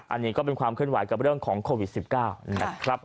อันนี้ก็เป็นความเคลื่อนไหวกับเรื่องของโควิด๑๙นะครับ